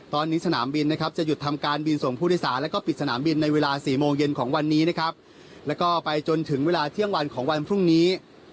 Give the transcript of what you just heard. ตอนนี้สนามบินนะครับจะหยุดทำการบินส่งผู้โดยสารแล้วก็ปิดสนามบินในเวลา๔โมงเย็นของวันนี้นะครับแล้วก็ไปจนถึงเวลาเที่ยงวันของวันพรุ่งนี้